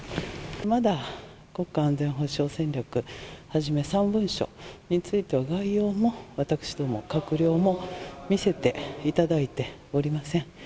まだ国家安全保障戦略をはじめ、３文書については、概要も、私ども、閣僚も見せていただいておりません。